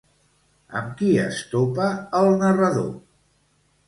Amb qui es topa el narrador?